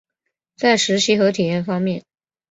在实习和体验方面